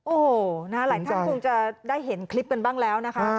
โอ้โหหลายท่านคงจะได้เห็นคลิปกันบ้างแล้วนะคะ